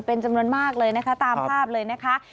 เป็นจำนวนมากเลยนะคะตามภาพเลยนะคะ